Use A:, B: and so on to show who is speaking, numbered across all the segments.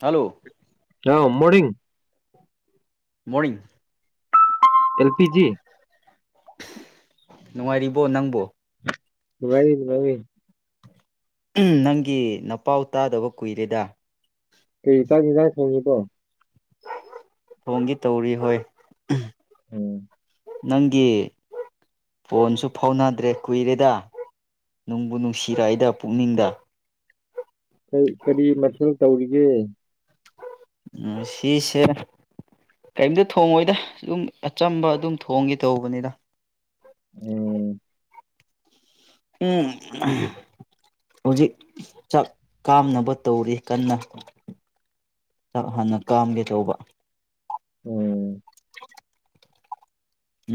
A: hello
B: ꯑ morning
A: morning
B: L P G
A: ꯅꯨꯡꯉꯥꯏꯔꯤꯕꯣ ꯅꯪꯕꯣ
B: ꯅꯨꯡꯉꯥꯏꯔꯤ ꯅꯨꯡꯉꯥꯏꯔꯤ
A: ꯎꯝ ꯅꯪꯒꯤ ꯅꯄꯥꯎ ꯇꯥꯗꯕ ꯀꯨꯏꯔꯦꯗ
B: ꯀꯔꯤ ꯆꯥꯛ ꯏꯪ ꯖꯥꯡ ꯊꯣꯡꯉꯤꯕꯣ
A: ꯊꯣꯡꯒꯦ ꯇꯧꯔꯤ ꯍꯣꯏ
B: ꯎꯝ
A: ꯅꯪꯒꯤ ꯐꯣꯟꯁꯨ ꯐꯥꯎꯅꯗ꯭ꯔꯦ ꯀꯨꯏꯔꯦꯗ ꯅꯨꯡꯕꯨ ꯅꯨꯡꯁꯤꯔꯛꯏꯗ ꯄꯨꯛꯅꯤꯡꯗ
B: ꯀꯩ ꯀꯔꯤ ꯃꯊꯦꯜ ꯇꯧꯔꯤꯒꯦ
A: ꯉꯥꯁꯤꯁꯦ ꯀꯔꯤꯝꯇ ꯊꯣꯡꯉꯣꯏꯗ ꯑꯗꯨꯝ ꯑꯆꯝꯕ ꯑꯗꯨꯝ ꯊꯣꯡꯒꯦ ꯇꯧꯕꯅꯤꯗ
B: ꯎꯝ
A: ꯎꯝ ꯍꯧꯖꯤꯛ ꯆꯥꯛ ꯀꯥꯝꯅꯕ ꯇꯧꯔꯤ ꯀꯟꯅ ꯆꯥꯛ ꯍꯥꯟꯅ ꯀꯥꯝꯒꯦ ꯇꯧꯕ
B: ꯑꯣꯝ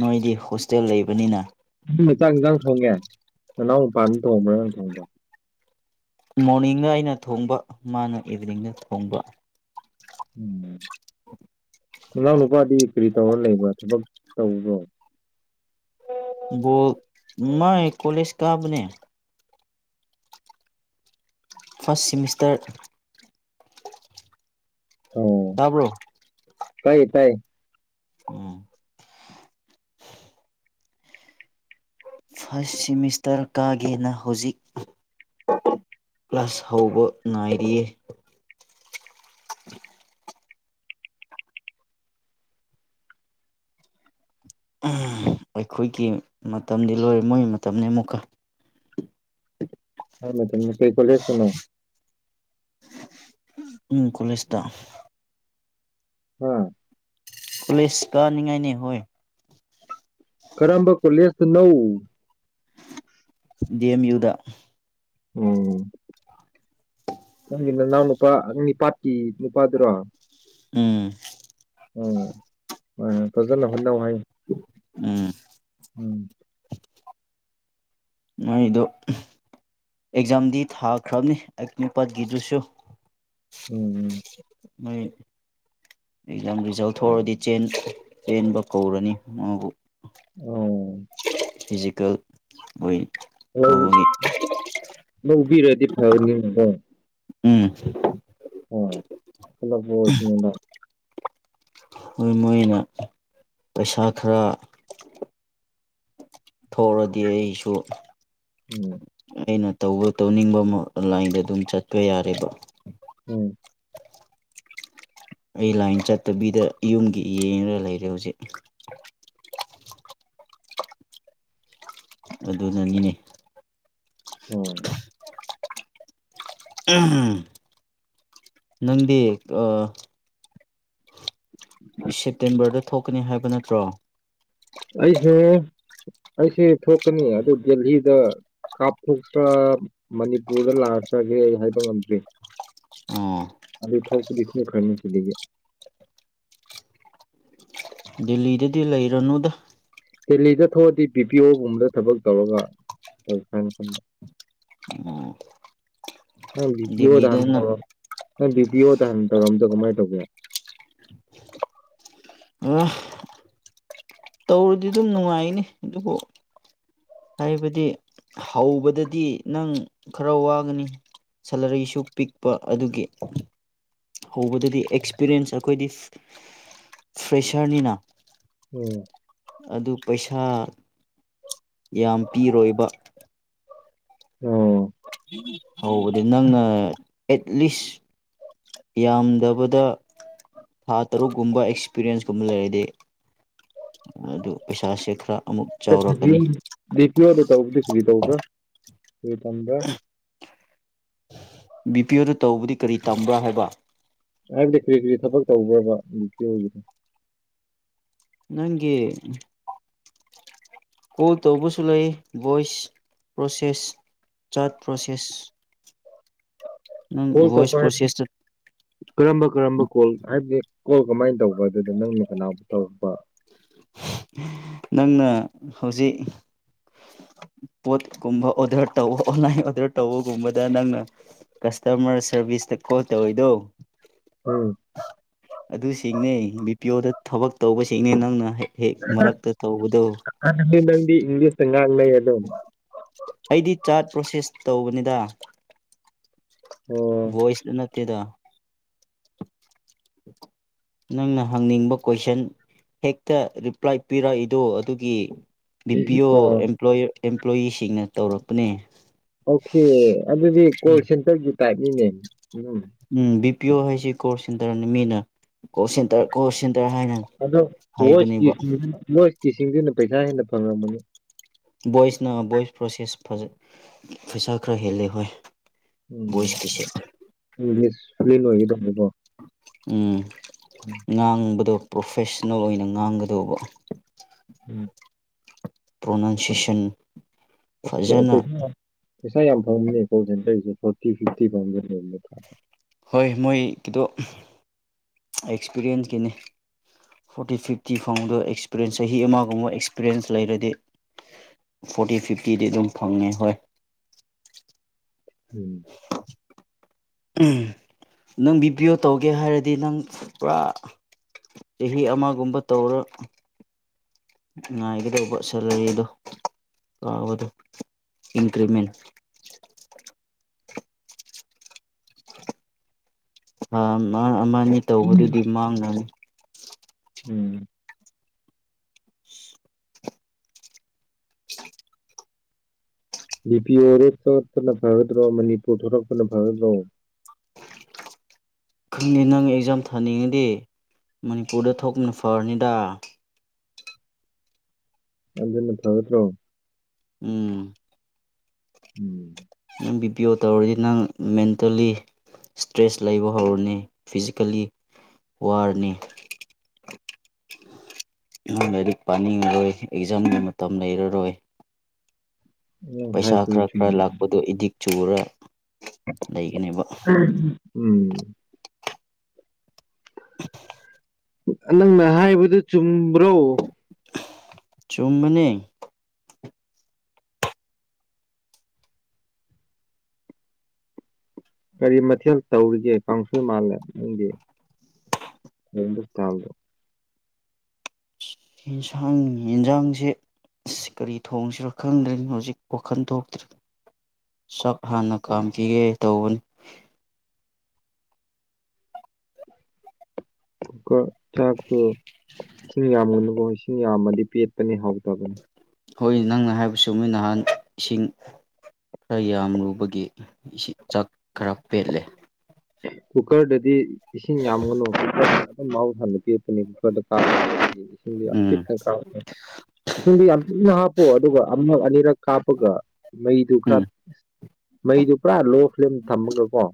A: ꯅꯣꯏꯗꯤ ꯍꯣꯁꯇꯦꯜ ꯂꯩꯕꯅꯤꯅ
B: [unintelligible] ꯅꯅꯥꯎ ꯅꯨꯄꯥꯅꯥ ꯊꯣꯡꯕ꯭ꯔꯥ ꯅꯪꯅ ꯊꯣꯡꯕ꯭ꯔꯣ
A: ꯃꯣꯔꯅꯤꯡꯗ ꯑꯩꯅ ꯊꯣꯡꯕ ꯃꯥꯅ ꯏꯚꯤꯅꯤꯡꯗ ꯊꯣꯡꯕ
B: ꯎꯝ ꯏꯅꯥꯎ ꯅꯨꯄꯥꯗꯤ ꯀꯔꯤ ꯇꯧꯔ ꯂꯩꯕ꯭ꯔꯥ ꯊꯕꯛ ꯇꯧꯕ꯭ꯔꯣ
A: ꯕꯣꯜ ꯃꯥꯥꯏ ꯀꯣꯂꯦꯖ ꯀꯥꯕꯅꯦ ꯐꯥꯔꯁ ꯁꯤꯃꯤꯁꯇꯔ
B: ꯑꯣ
A: ꯇꯥꯕ꯭ꯔꯣ
B: ꯇꯥꯏꯌꯦ ꯇꯥꯏꯌꯦ
A: ꯎꯝ ꯐꯥꯔꯁ ꯁꯤꯃꯤꯁꯇꯔ ꯀꯥꯒꯦꯅ ꯍꯧꯖꯤꯛ ꯀꯂ꯭ꯥꯁ ꯍꯧꯕ ꯉꯥꯏꯔꯤꯌꯦ ꯑꯩꯈꯣꯏꯒꯤ ꯃꯇꯝꯗꯤ ꯂꯣꯏꯔꯦ ꯃꯣꯏꯒꯤ ꯃꯇꯝꯅꯤ ꯑꯃꯨꯛꯀ
B: [unintelligible] ꯀꯩ ꯀꯣꯂꯦꯖ ꯇꯥꯅꯣ
A: ꯎꯝ ꯀꯣꯂꯦꯖꯇ
B: [unintelligible]
A: ꯄꯨꯂꯤꯁ ꯀꯅꯤꯡꯉꯥꯏꯅꯤ ꯍꯣꯏ
B: ꯀꯔꯝꯕ ꯀꯣꯂꯦꯁ ꯇꯅꯣ
A: ꯗꯤ ꯑꯦꯝ ꯌꯨꯗ
B: ꯑꯣꯝ ꯅꯪꯒꯤ ꯅꯅꯥꯎ ꯅꯨꯄꯥ ꯅꯤꯄꯥꯠꯀꯤ ꯅꯨꯄꯥꯗꯨꯔꯣ
A: ꯎꯥꯝ
B: ꯎꯝ ꯍꯣꯏ ꯍꯣꯏ ꯐꯖꯅ ꯍꯣꯠꯅꯧ ꯍꯥꯏꯌꯣ
A: ꯎꯝ
B: ꯎꯝ
A: ꯃꯣꯏꯗꯣ [unintelligible] ꯑꯦꯛꯖꯥꯝꯗꯤ ꯊꯥꯈ꯭ꯔꯕꯅꯤ ꯑꯦꯛꯃꯤꯄꯥꯠꯒꯤꯗ꯭ꯔꯁꯨ
B: ꯎꯝ
A: ꯅꯣꯢ ꯑꯦꯛꯖꯥꯝ ꯔꯤꯖꯜ ꯊꯣꯛꯑꯗꯤ ꯆꯦꯟ ꯆꯦꯟꯕ ꯀꯧꯔꯅꯤ ꯃꯥꯕꯨ
B: ꯑꯣꯎ
A: ꯐꯤꯖꯤꯀꯦꯜ ꯍꯣꯢ
B: ꯂꯧꯕꯕꯤꯔꯗꯤ ꯐꯅꯤꯕꯀꯣ
A: ꯎꯝ
B: ꯑꯣ [unintelligible]
A: ꯃꯣꯏ ꯃꯣꯏꯅ ꯄꯩꯁꯥ ꯈꯔ ꯊꯣꯔꯗꯤ ꯑꯩꯁꯨ
B: ꯎꯝ
A: ꯑꯩꯅ ꯇꯧꯕ ꯇꯧꯅꯤꯡꯕ ꯑꯃ ꯂꯥꯏꯟꯗ ꯑꯗꯨꯝ ꯆꯠꯄ ꯌꯥꯔꯦꯕ
B: ꯎꯝ
A: ꯑꯩ ꯂꯥꯏꯟ ꯆꯠꯇꯕꯤꯗ ꯌꯨꯝꯒꯤ ꯌꯦꯡꯉꯒ ꯂꯩꯔꯦ ꯍꯧꯖꯤꯛ ꯑꯗꯨꯅꯅꯤꯅꯦ
B: ꯎꯝ
A: [unintelligible] ꯅꯪꯗꯤ ꯑ ꯁꯦꯞꯇꯦꯝꯕꯔꯗ ꯊꯣꯛꯀꯅꯤ ꯍꯥꯏꯕ ꯅꯠꯇ꯭ꯔꯣ
B: ꯑꯩꯁꯦ ꯑꯩꯁꯦ ꯊꯣꯛꯀꯅꯤ ꯑꯗꯨ ꯗꯦꯜꯍꯤꯗ ꯀꯥꯞꯊꯣꯛꯇ꯭ꯔꯥ ꯃꯅꯤꯄꯨꯔꯗ ꯂꯥꯛꯈ꯭ꯔꯒꯦ ꯑꯩ ꯍꯥꯏꯕ ꯉꯝꯗ꯭ꯔꯤ
A: ꯑꯣ
B: ꯊꯣꯛꯄꯗꯤ ꯊꯣꯛꯈ꯭ꯔꯅꯤ ꯁꯤꯗꯒꯤ
A: ꯗꯦꯜꯂꯤꯗꯗꯤ ꯂꯩꯔꯨꯅꯨꯗ
B: ꯗꯦꯜꯂꯤꯗ ꯊꯣꯛꯑꯗꯤ ꯕꯤ ꯄꯤ ꯑꯣꯒꯨꯝꯕꯗ ꯊꯕꯛ ꯇꯧꯔꯒ ꯇꯧꯁꯤꯔ ꯈꯟꯕ
A: ꯑꯣ
B: ꯅꯪ ꯕꯤ ꯄꯤ ꯑꯣꯍꯟ
A: ꯗꯦꯜꯂꯤꯗꯅ
B: ꯇꯧꯔ ꯅꯪ ꯕꯤ ꯄꯤ ꯑꯣ ꯍꯟ ꯇꯧꯔꯝꯕꯗꯣ ꯀꯃꯥꯏꯅ ꯇꯧꯒꯦ
A: ꯑꯥꯍ ꯇꯧꯔꯗꯤ ꯑꯗꯨꯝ ꯅꯨꯡꯉꯥꯏꯅꯤ ꯑꯗꯨꯕꯨ ꯍꯥꯏꯕꯗꯤ ꯍꯧꯕꯗꯗꯤ ꯅꯪ ꯈꯔ ꯋꯥꯒꯅꯤ ꯁꯦꯂꯔꯤꯁꯨ ꯄꯤꯛꯄ ꯑꯗꯨꯒꯤ ꯍꯧꯕꯗꯗꯤ ꯑꯦꯛꯁꯄꯤꯔꯤꯌꯦꯟꯁ ꯑꯩꯈꯣꯏꯗꯤ ꯐ꯭ꯔꯦꯁꯔꯅꯤꯅ
B: ꯎꯝ
A: ꯑꯗꯨ ꯄꯩꯁꯥ ꯌꯥꯝ ꯄꯤꯔꯣꯏꯕ
B: ꯑꯣ
A: ꯍꯧꯕꯗꯤ ꯅꯪꯅ ꯑꯦꯠꯂꯤꯁ ꯌꯥꯝꯗꯕꯗ ꯊꯥ ꯇꯔꯨꯛꯀꯨꯝꯕ ꯑꯦꯛꯁꯄꯤꯔꯤꯌꯦꯟꯁ ꯀꯨꯝꯕ ꯂꯩꯔꯗꯤ ꯑꯗꯨ ꯄꯩꯁꯥꯁꯦ ꯈꯔ ꯑꯃꯨꯛ ꯆꯥꯎꯔꯛꯀꯅꯤ
B: [unintelligible] ꯗꯤ ꯄꯗ ꯇꯧꯕ ꯗꯤ ꯀꯔꯤ ꯇꯧꯕ ꯇꯝꯕ [unintelligible]
A: [unintelligible] ꯕꯤ ꯄꯤ ꯑꯣꯗꯨ ꯇꯧꯕꯗꯤ ꯀꯔꯤ ꯇꯝꯕ꯭ꯔꯥ ꯍꯥꯏꯕ
B: ꯍꯥꯏꯕꯗꯤ ꯀꯔꯤ ꯀꯔꯤ ꯊꯕꯛ ꯇꯧꯕ꯭ꯔꯕ ꯕꯤ ꯄꯤ ꯑꯣꯒꯤ
A: ꯅꯪꯒꯤ ꯀꯣꯜ ꯇꯧꯕꯁꯨ ꯂꯩ ꯚꯣꯏꯁ ꯄ꯭ꯔꯣꯁꯦꯁ ꯆꯥꯠ ꯄ꯭ꯔꯣꯁꯦꯁ [unintelligible] ꯅꯪ
B: ꯀꯣꯜ [inaudible]
A: ꯚꯣꯏꯁ ꯄ꯭ꯔꯣꯁꯦꯁꯇ
B: ꯀꯔꯝꯕ ꯀꯔꯝꯕ ꯀꯣꯜ ꯍꯥꯏꯕꯗꯤ ꯀꯣꯜ ꯀꯃꯥꯏꯅ ꯇꯧꯕ ꯑꯗꯨꯗ ꯅꯪꯅ ꯀꯅꯥꯕꯨ ꯇꯧꯔꯛꯄ
A: ꯅꯪꯅ ꯍꯧꯖꯤꯛ ꯄꯣꯠꯀꯨꯝꯕ ꯑꯣꯗꯔ ꯇꯧꯕ ꯑꯣꯟꯂꯥꯏꯟ ꯑꯣꯔꯗꯔ ꯇꯧꯕꯒꯨꯝꯕꯗ ꯅꯪꯅ ꯀꯁꯇꯃꯔ ꯁꯔꯚꯤꯁꯇ ꯀꯣꯜ ꯇꯧꯋꯤꯗꯣ
B: ꯎꯝ
A: ꯑꯗꯨ ꯁꯤꯡꯅꯦ ꯕꯤ ꯄꯤ ꯑꯣꯗ ꯊꯕꯛ ꯇꯧꯕ ꯁꯤꯡꯅꯦ ꯅꯪꯅ ꯍꯦꯛ ꯍꯦꯛ ꯃꯔꯛꯇ ꯇꯧꯕꯗꯣ
B: ꯍꯥꯟꯅꯗꯤ ꯅꯪꯗꯤ ꯏꯪꯂꯤꯁꯇ ꯉꯥꯡ ꯂꯩꯌꯦ ꯑꯗꯣ
A: ꯑꯩꯗꯤ ꯆꯥꯔꯠ ꯄ꯭ꯔꯣꯁꯦꯁ ꯇꯧꯕꯅꯤꯗ
B: ꯑꯣ
A: ꯚꯣꯏꯁꯇ ꯅꯠꯇꯦꯗ ꯅꯪꯅ ꯍꯪꯅꯤꯡꯕ ꯀꯣꯏꯁꯟ ꯍꯦꯛꯇ ꯔꯤꯄ꯭ꯂꯥꯏ ꯄꯤꯔꯛꯏꯗꯣ ꯑꯗꯨꯒꯤ ꯕꯤ ꯄꯤ
B: ꯑꯣ
A: ꯑꯣꯄ꯭ꯂꯣꯏ ꯑꯦꯝꯄ꯭ꯂꯣꯌꯤꯁꯤꯡꯅ ꯇꯧꯔꯛꯄꯅꯦ
B: ꯑꯣꯀꯦ ꯑꯗꯨꯗꯤ ꯀꯣꯜ ꯁꯦꯟꯇꯔꯒꯤ ꯇꯥꯏꯞꯅꯤꯅꯦ ꯎꯝ
A: ꯎꯝ ꯕꯤ ꯄꯤ ꯑꯣ ꯍꯥꯏꯁꯤ ꯀꯣꯜ ꯁꯦꯟꯇꯔꯅꯤ ꯃꯤꯅ ꯀꯣꯜ ꯁꯦꯟꯇꯔ ꯀꯣꯜ ꯁꯦꯟꯇꯔ ꯍꯥꯏꯅ
B: ꯑꯗꯣ
A: ꯍꯥꯏꯕꯅꯦꯕ
B: ꯚꯣꯏꯁꯀꯤꯁꯤꯡꯁꯤꯅ ꯚꯣꯏꯁꯀꯤꯁꯤꯡꯁꯤꯅ ꯄꯩꯁꯥ ꯍꯦꯟꯅ ꯐꯪꯉꯝꯃꯅꯤ
A: ꯚꯣꯏꯁꯅ ꯚꯣꯏꯁ ꯄ꯭ꯔꯣꯁꯦꯁ ꯐꯖ ꯄꯩꯁꯥ ꯈꯔ ꯍꯦꯜꯂꯦ ꯍꯣꯏ
B: ꯎꯝ
A: ꯚꯣꯏꯁꯀꯤꯁꯦ
B: ꯏꯪꯂꯤꯁ ꯐ꯭ꯂꯨꯌꯦꯟ ꯑꯣꯏꯒꯗꯧꯕꯅꯦꯀꯣ
A: ꯎꯝ ꯉꯥꯡꯕꯗꯣ ꯄ꯭ꯔꯣꯐꯦꯁꯟꯅꯦꯜ ꯑꯣꯏꯅ ꯉꯥꯡꯒꯗꯧꯕ
B: ꯎꯝ
A: ꯄ꯭ꯔꯣꯅꯥꯎꯟꯁꯦꯁꯟ
B: ꯑꯣ ꯄꯩꯁꯥ ꯄꯩꯁꯥ ꯌꯥꯝ ꯐꯪꯕꯅꯦ ꯀꯣꯜ ꯁꯦꯟꯇꯔꯁꯦ ꯐꯣꯔꯇꯤ ꯐꯤꯐꯇꯤ ꯐꯥꯎꯖꯦ [inaudible]
A: ꯍꯣꯏ ꯃꯣꯏꯒꯤꯗꯣ ꯑꯦꯛꯁꯄꯤꯔꯤꯌꯦꯟꯁ ꯀꯤꯅꯦ ꯐꯣꯔꯇꯤ ꯐꯤꯐꯇꯤ ꯐꯪꯕꯗꯣ ꯑꯦꯛꯁꯄꯤꯔꯤꯌꯦꯟꯁ ꯆꯍꯤ ꯑꯃꯒꯨꯝꯕ ꯑꯦꯛꯁꯄꯤꯔꯤꯌꯦꯟꯁ ꯂꯩꯔꯗꯤ ꯐꯣꯔꯇꯤ ꯐꯤꯐꯇꯤꯗꯤ ꯑꯗꯨꯝ ꯐꯪꯉꯦ ꯍꯣꯏ
B: ꯎꯝ
A: [unintelligible] ꯅꯪ ꯕꯤ ꯄꯤ ꯌꯣ ꯇꯧꯒꯦ ꯍꯥꯏꯔꯗꯤ ꯅꯪ ꯄꯨꯔꯥ ꯆꯍꯤ ꯑꯃꯒꯨꯝꯕ ꯇꯧꯔꯣ ꯉꯥꯏꯒꯗꯧꯕ ꯁꯦꯂꯔꯤꯗꯣ ꯑ ꯍꯣꯏꯗꯣ [inaudible] ꯏꯟꯀ꯭ꯔꯤꯃꯦꯟ ꯊꯥ ꯑꯃ ꯑꯃꯅꯤ ꯇꯧꯕꯗꯨꯗꯤ ꯃꯥꯡꯉꯅꯤ
B: ꯎꯝ ꯕꯤꯄꯤ ꯑꯣꯔꯦꯞ [inaudible] ꯊꯣꯛꯂꯛꯄꯅ ꯐꯒꯗ꯭ꯔꯣ ꯃꯅꯤꯄꯨꯔ ꯊꯣꯛꯂꯛꯄꯅ ꯐꯒꯗ꯭ꯔꯣ
A: ꯈꯪꯗꯦ ꯅꯪ ꯑꯦꯛꯖꯥꯝ ꯊꯥꯅꯤꯡꯉꯗꯤ ꯃꯅꯤꯄꯨꯔꯗ ꯊꯣꯛꯄꯅ ꯐꯔꯅꯤꯗꯥ
B: ꯑꯗꯨꯅ ꯐꯒꯗ꯭ꯔꯣ
A: ꯎꯝ
B: ꯎꯝ
A: ꯅꯪ ꯕꯤ ꯄꯤ ꯑꯣ ꯇꯧꯔꯗꯤ ꯅꯪ ꯃꯦꯟꯇꯦꯜꯂꯤ ꯁꯇ꯭ꯔꯦꯁ ꯂꯩꯕ ꯍꯧꯔꯅꯤ ꯐꯤꯖꯤꯀꯦꯜꯂꯤ ꯋꯥꯔꯅꯤ ꯅꯪ ꯂꯥꯏꯔꯤꯛ ꯄꯥꯅꯤꯡꯉꯔꯣꯏ ꯑꯦꯛꯖꯥꯝꯒꯤ ꯃꯇꯝ ꯂꯩꯔꯔꯣꯏ
B: ꯅꯪ
A: ꯄꯩꯁꯥ
B: ꯍꯥꯏꯁꯤꯗꯤ
A: ꯈꯔ
B: ꯆꯨꯝ
A: ꯈꯔ ꯂꯥꯛꯄꯗꯣ ꯑꯦꯗꯤꯛ ꯆꯨꯔ ꯂꯩꯒꯅꯦꯕ
B: ꯑꯥ ꯎꯝ
A: [inaudible]
B: ꯅꯪꯅ ꯍꯥꯏꯕꯗꯨ ꯆꯨꯝꯕ꯭ꯔꯣ
A: ꯆꯨꯝꯕꯅꯦ
B: ꯀꯔꯤ ꯃꯊꯦꯜ ꯇꯧꯔꯤꯒꯦ ꯀꯥꯡꯁꯣꯏ ꯃꯥꯜꯂꯦ ꯅꯪꯒꯤ [unintelligible]
A: ꯏꯟꯁꯥꯡ ꯌꯦꯟꯖꯥꯡꯁꯦ ꯏꯁ ꯀꯔꯤ ꯊꯣꯡꯁꯤꯔ ꯈꯪꯗꯦ ꯍꯧꯖꯤꯛ ꯋꯥꯈꯜ ꯊꯣꯛꯇ꯭ꯔꯦ ꯆꯥꯛ ꯍꯥꯟꯅ ꯀꯥꯝꯈꯤꯒꯦ ꯇꯧꯕꯅꯤ
B: ꯀꯨꯀꯔ ꯆꯥꯛꯇꯣ ꯏꯁꯤꯡ ꯌꯥꯝꯒꯅꯨꯀꯣ ꯏꯁꯤꯡ ꯌꯥꯝꯃꯗꯤ ꯄꯦꯠꯄꯅꯦ ꯍꯥꯎꯇꯕꯅꯦ
A: ꯍꯣꯏ ꯅꯪꯅ ꯍꯥꯏꯕ ꯆꯨꯝꯃꯤ ꯅꯍꯥꯟ ꯏꯁꯤꯡ ꯈꯔ ꯌꯥꯝꯔꯨꯕꯒꯤ ꯏꯁꯤꯡ ꯆꯥꯛ ꯈꯔ ꯄꯦꯠꯂꯦ
B: ꯀꯨꯀꯔꯗꯗꯤ ꯏꯁꯤꯡ ꯌꯥꯝꯒꯅꯨ ꯃꯥꯎ ꯊꯟꯅ ꯄꯦꯠꯄꯅꯤ ꯀꯨꯀꯔꯗꯣ ꯀꯥꯝ ꯏꯁꯤꯡꯗꯣ ꯌꯥꯝ
A: ꯎꯝ
B: ꯄꯤꯛꯅ ꯀꯥꯝ [unintelligible] ꯏꯁꯤꯡꯗꯨ ꯌꯥꯝ ꯄꯤꯛꯅ ꯍꯥꯞꯄꯣ ꯑꯗꯨꯒ ꯑꯃꯨꯛ ꯑꯅꯤꯔꯛ ꯀꯥꯞꯄꯒ ꯃꯩꯗꯨ
A: ꯎꯝ
B: ꯈꯔ ꯃꯩꯗꯨ ꯄꯨꯔꯥ ꯂꯣ ꯐ꯭ꯂꯦꯝ ꯊꯝꯃꯒꯀꯣ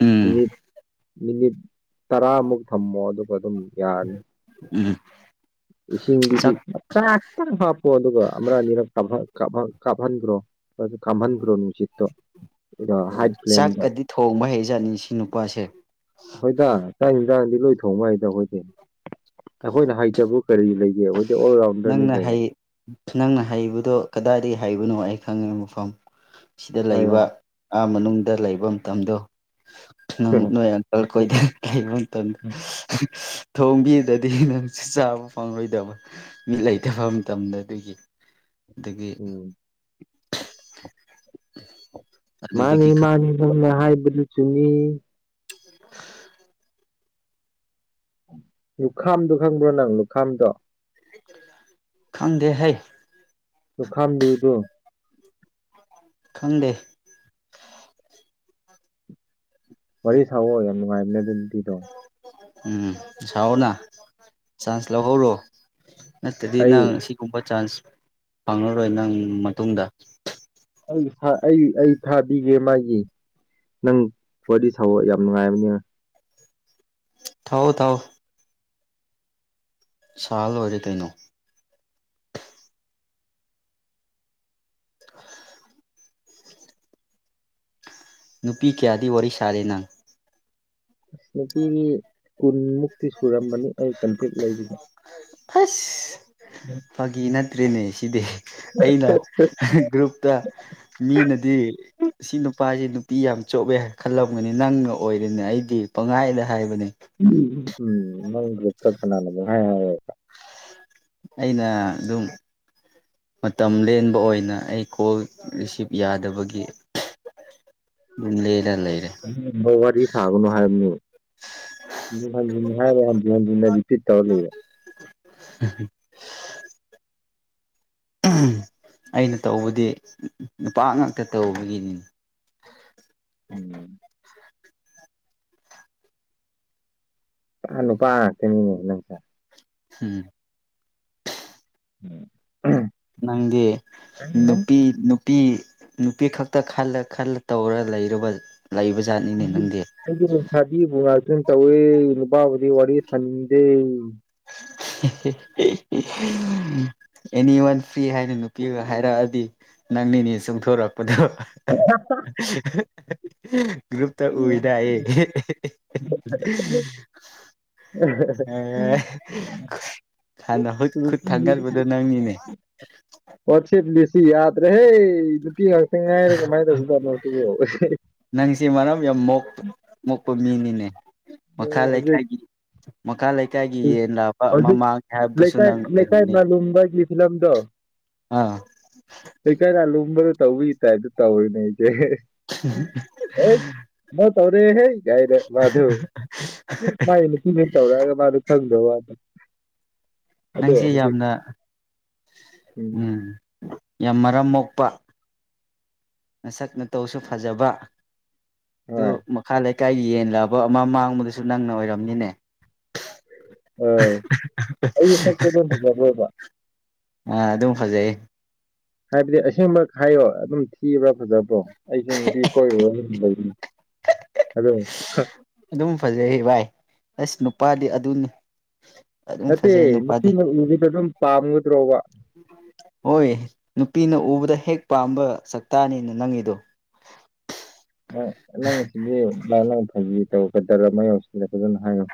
A: ꯎꯝ
B: ꯃꯤꯅꯤꯠ ꯃꯤꯅꯤꯠ ꯇꯔꯥꯃꯨꯛ ꯊꯝꯃꯣ ꯑꯗꯨꯒ ꯑꯗꯨꯝ ꯌꯥꯔꯅꯤ
A: ꯎꯝ
B: ꯏꯁꯤꯡꯒꯤꯗꯤ
A: ꯆꯥꯛ
B: ꯈꯔ ꯈꯤꯇꯪ ꯍꯥꯞꯄꯣ ꯑꯗꯨꯒ ꯑꯃꯥ ꯑꯅꯤꯔꯛ ꯀꯥꯞꯍꯟ ꯀꯥꯞꯍꯟ ꯀꯥꯞꯍꯟꯒ꯭ꯔꯣ ꯑꯗꯨꯒ ꯈꯥꯝꯍꯟꯒ꯭ꯔꯣ ꯅꯨꯡꯁꯤꯠꯇꯣ ꯑꯗꯣ ꯍꯥꯏꯠ ꯄ꯭ꯂꯦꯟꯗ
A: ꯆꯥꯛꯀꯗꯤ ꯊꯣꯡꯕ ꯍꯩꯖꯥꯠꯅꯤ ꯁꯤ ꯅꯨꯄꯥꯁꯦ
B: ꯍꯣꯏꯗ ꯆꯥꯛ ꯏꯟꯖꯥꯡꯗꯤ ꯂꯣꯏ ꯊꯣꯡꯕ ꯍꯩꯗ ꯑꯩꯈꯣꯏꯗꯤ ꯑꯩꯈꯣꯏꯅ ꯍꯩꯇꯕ ꯀꯔꯤ ꯂꯩꯒꯦ ꯑꯣꯜ ꯔꯥꯎꯟꯗꯔꯅꯤ
A: ꯅꯪꯅ
B: ꯀꯩꯅꯣ
A: ꯍꯩ ꯅꯪꯅ ꯍꯩꯕꯗꯣ ꯀꯗꯥꯏꯗꯩ ꯍꯩꯕꯅꯣ ꯑꯩ ꯈꯪꯉꯦ ꯃꯐꯝ ꯁꯤꯗ
B: ꯍꯥꯏꯌꯣ
A: ꯂꯩꯕ ꯑꯥ ꯃꯅꯨꯡꯗ ꯂꯩꯕ ꯃꯇꯝꯗꯣ ꯅꯪ ꯅꯣꯏ ꯀꯜ ꯈꯣꯏꯗ ꯂꯩꯕ ꯃꯇꯝꯗꯨ ꯊꯣꯡꯕꯤꯗꯗꯤ ꯅꯪꯁꯨ ꯆꯥꯕ ꯐꯪꯂꯣꯏꯗꯕ ꯃꯤ ꯂꯩꯇꯕ ꯃꯇꯝꯗ ꯑꯗꯨꯒꯤ ꯑꯗꯨꯒꯤ
B: ꯎꯝ
A: [inaudible]
B: ꯃꯥꯅꯤ ꯃꯥꯅꯤ ꯅꯪꯅ ꯍꯥꯏꯕꯗꯨ ꯆꯨꯝꯃꯤ
A: [unintelligible]
B: ꯂꯨꯛꯈꯝꯗꯣ ꯈꯪꯕ꯭ꯔꯣ ꯅꯪ ꯂꯨꯈꯝꯗꯣ
A: ꯈꯪꯗꯦ ꯍꯩ
B: ꯂꯨꯈꯝꯗꯨꯗꯣ
A: ꯈꯪꯗꯦ
B: ꯋꯥꯔꯤ ꯁꯥꯑꯣ ꯌꯥꯝ ꯅꯨꯡꯉꯥꯏꯕꯅꯦ ꯑꯗꯨ ꯅꯨꯄꯤꯗꯣ
A: ꯎꯝ ꯁꯥꯑꯣꯅ ꯆꯥꯟꯁ ꯂꯧꯍꯧꯔꯣ ꯅꯠꯇꯗꯤ
B: ꯑꯩ
A: ꯅꯪ ꯑꯁꯤꯒꯨꯝꯕ ꯆꯥꯟꯁ ꯐꯪꯉꯔꯣꯏ ꯅꯪ ꯃꯇꯨꯡꯗ
B: ꯑꯩ ꯈꯔ ꯑꯩ ꯑꯩ ꯊꯥꯕꯤꯒꯦ ꯃꯥꯒꯤ ꯅꯪ ꯋꯥꯔꯤ ꯁꯥꯑꯣ ꯌꯥꯝ ꯅꯨꯡꯉꯥꯏꯕꯅꯤ
A: ꯊꯥꯎ ꯊꯥꯎ ꯁꯥꯔ ꯂꯣꯏꯔꯦ ꯀꯩꯅꯣ ꯅꯨꯄꯤ ꯀꯌꯥꯗꯤ ꯋꯥꯔꯤ ꯁꯥꯔꯤ ꯅꯪ
B: ꯑꯁ ꯅꯨꯄꯤꯒꯤ ꯀꯨꯟꯃꯨꯛꯇꯤ ꯁꯨꯔꯝꯕꯅꯤ ꯑꯩ ꯀꯟꯇꯦꯛ ꯂꯩꯔꯤꯕ
A: ꯍꯁ ꯐꯥꯒꯤ ꯅꯠꯇ꯭ꯔꯦꯅꯦ ꯁꯤꯗꯤ ꯑꯩꯅ ꯒ꯭ꯔꯨꯞꯨꯞꯇ ꯃꯤꯅꯗꯤ ꯁꯤ ꯅꯨꯄꯥꯁꯤ ꯅꯨꯞ ꯄꯤ ꯌꯥꯝ ꯆꯣꯞꯄꯦ ꯈꯜꯂꯝꯒꯅꯤ ꯅꯪꯅ ꯑꯣꯏꯔꯦꯅꯦ ꯑꯩꯗꯤ ꯄꯪꯍꯥꯏꯗ ꯍꯥꯏꯕꯅꯤ
B: ꯎꯝ ꯅꯪ ꯒ꯭ꯔꯨꯞꯇ ꯀꯅꯥꯅ ꯄꯪ ꯍꯥꯏ ꯍꯥꯌꯦꯕ
A: ꯑꯩꯅ ꯑꯗꯨꯝ ꯃꯇꯝ ꯂꯦꯟꯕ ꯑꯣꯏꯅ ꯑꯩ ꯀꯣꯜ ꯔꯤꯁꯤꯞ ꯌꯥꯗꯕꯒꯤ [unintelligible] ꯂꯩꯔꯦ
B: ꯎꯝ ꯃ ꯋꯥꯔꯤ ꯁꯥꯒꯅꯨ ꯍꯥꯏꯕꯅꯦ ꯍꯟꯖꯤ ꯍꯟꯖꯤ ꯍꯥꯏꯔꯦ ꯍꯟꯖꯤ ꯍꯟꯖꯤꯅ ꯔꯤꯄꯤꯠ ꯇꯧꯔ ꯂꯩꯔꯦ
A: [unintelligible] [unintelligible] ꯑꯩꯅ ꯇꯧꯕꯗꯤ ꯅꯨꯄꯥ ꯉꯥꯛꯇ ꯇꯧꯕꯒꯤꯅꯤ
B: ꯎꯝ ꯄꯨꯔꯥ ꯅꯨꯄꯥ ꯉꯥꯛꯇꯅꯤꯅꯦ ꯅꯪꯁꯦ
A: ꯍꯝ
B: ꯎꯝ
A: ꯅꯪꯗꯤ ꯅꯨꯄꯤ ꯅꯨ ꯅꯨꯄꯤ ꯅꯨꯄꯤ ꯈꯛꯇ ꯈꯜꯂ ꯈꯜꯂ ꯇꯧꯔ ꯂꯩꯔꯕ ꯂꯩꯕ ꯖꯥꯠꯅꯤꯅꯦ ꯅꯪꯗꯤ
B: ꯑꯩꯗꯤ ꯁꯥꯖꯤꯕꯨ ꯉꯥꯛꯇꯅ ꯇꯧꯋꯤ ꯅꯨꯄꯥꯕꯨꯗꯤ ꯋꯥꯔꯤ ꯁꯟꯅꯤꯡꯗꯦ
A: [unintelligible] ꯑꯦꯅꯤ ꯋꯥꯟ ꯐ꯭ꯔꯤ ꯍꯥꯏꯅ ꯅꯨꯄꯤꯒ ꯍꯥꯏꯔꯛꯑꯗꯤ ꯅꯪ ꯅꯤꯅꯦ ꯆꯣꯡꯊꯣꯔꯛꯄꯗꯣ
B: [unintelligible]
A: [unintelligible] ꯒ꯭ꯔꯨꯞꯇ ꯎꯏꯗ ꯑꯩ [unintelligible] ꯑꯦ ꯍꯥꯟꯅ ꯍꯨꯠ ꯈꯨꯠ ꯊꯥꯡꯅꯕꯗꯣ ꯅꯪꯅꯤꯅꯦ
B: ꯋꯥꯆꯦꯞ ꯔꯤꯁꯤ ꯌꯥꯗ꯭ꯔꯦꯍꯦ ꯅꯨꯄꯤ ꯉꯥꯛꯇ ꯉꯥꯏꯔꯒ ꯀꯃꯥꯏ ꯇꯧꯕꯖꯥꯠꯅꯣ [unintelligible]
A: ꯅꯪꯁꯤ ꯃꯔꯝ ꯌꯥꯝ ꯃꯣꯞ ꯃꯣꯛꯄ ꯃꯤꯅꯤꯅꯦ ꯃꯈꯥ
B: ꯍꯧꯖꯤꯛ
A: ꯂꯩꯀꯥꯏꯒꯤ ꯃꯈꯥ ꯂꯩꯀꯥꯏꯒꯤ ꯌꯦꯟ ꯂꯥꯕ ꯑꯃ
B: ꯍꯧꯖꯤꯛ
A: ꯃꯥꯡꯉꯦ ꯍꯥꯏꯕꯗꯨꯁꯨ
B: ꯂꯩꯀꯥꯏ
A: ꯅꯪꯅ ꯑꯣꯏꯔꯝꯅꯤ
B: [unintelligible] ꯐꯤꯂꯝꯗꯣ
A: ꯑꯥ
B: ꯂꯩꯀꯥꯢ ꯂꯥꯂꯨꯝꯕꯗ ꯇꯧꯕꯋꯤ ꯇꯥꯢꯞꯇ ꯇꯧꯋꯤꯅꯦ ꯑꯩꯖꯦ ꯑꯣꯢ ꯃꯥ ꯇꯧꯔꯦꯍꯦ ꯀꯥꯢꯅ ꯃꯙꯣ ꯃꯥꯢꯅꯨꯞ [unintelligible] ꯇꯧꯔꯛꯑꯒ ꯃꯥꯗꯣ ꯈꯪꯗꯕ ꯋꯥꯗꯣ
A: ꯅꯪꯁꯤ ꯌꯥꯝꯅ ꯎꯝ ꯌꯥꯝ ꯃꯔꯝ ꯃꯣꯛꯄ ꯅꯁꯛ ꯅꯇꯧꯁꯨ ꯐꯖꯕ ꯑꯗꯨ
B: ꯍꯣꯏ
A: ꯃꯈꯥ ꯂꯩꯀꯥꯏꯒꯤ ꯌꯦꯟꯂꯥꯕ ꯑꯃ ꯃꯥꯡꯕꯗꯁꯨ ꯅꯪꯅ ꯑꯣꯏꯔꯝꯅꯤꯅꯦ
B: ꯑ ꯑꯩꯁꯦ ꯁꯛ [unintelligible] ꯐꯖꯕ ꯑꯣꯢꯕ
A: ꯑꯥ ꯑꯗꯨꯝ ꯐꯖꯩꯌꯦ
B: ꯍꯥꯏꯕꯗꯤ ꯑꯁꯦꯡꯕ ꯈꯥꯢꯌꯣ ꯑꯗꯨꯝ ꯊꯤꯕ꯭ꯔꯥ ꯐꯖ ꯀꯣ ꯑꯩꯁꯦ ꯅꯨꯄꯤ ꯀꯣꯏꯔꯨꯔ ꯅꯨꯝ ꯂꯩꯕꯅꯦ [unintelligible]
A: ꯑꯗꯨꯝ ꯐꯖꯩ ꯚꯥꯏ ꯑꯁ ꯅꯨꯄꯥꯗꯤ ꯑꯗꯨꯅꯤ ꯑꯗꯨꯝ
B: ꯅꯠꯇꯦ
A: ꯐꯖꯩ ꯅꯨꯄꯥꯗꯤ
B: ꯅꯨꯄꯤꯅ ꯎꯅꯤꯗ ꯗꯨꯝ ꯄꯥꯝꯒꯗ꯭ꯔꯣꯕ
A: ꯍꯣꯏ ꯅꯨꯄꯤꯅ ꯎꯕꯗ ꯍꯦꯛ ꯄꯥꯝꯕ ꯆꯥꯛꯇꯥꯅꯤꯅ ꯅꯪꯒꯤꯗꯣ [unintelligible]
B: ꯑ ꯅꯪ ꯁꯤꯗꯤ ꯃꯥ ꯅꯪ ꯐꯖꯤ ꯇꯧꯒꯗ꯭ꯔꯥ ꯃ ꯌꯧꯁꯤꯂꯦ ꯐꯖꯅ ꯍꯥꯏꯉꯣ